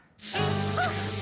あっ！